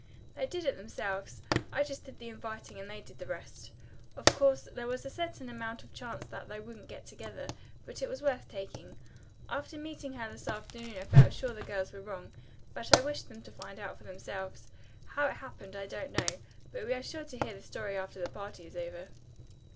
"They did it themselves. I just did the inviting and they did the rest. Of course there was a certain amount of chance that they wouldn't get together, but it was worth taking. After meeting her this afternoon I felt sure that the girls were wrong, but I wished them to find out for themselves. How it happened, I don't know, but we are sure to hear the story after the party is over."